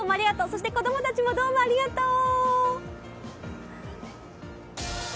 そして子供たちもどうもありがとう。